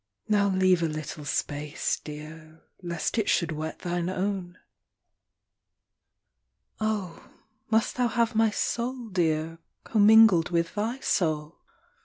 Now leave a little space, Dear, lest it should wet thine own. m. Oh, must thou have my soul, Dear, commingled with thy soul